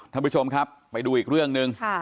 ท่านผู้ชมครับไปดูอีกเรื่องหนึ่ง